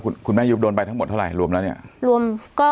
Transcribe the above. คุณคุณแม่ยุบโดนใบทั้งหมดเท่าไรรวมแล้วเนี้ยรวมก็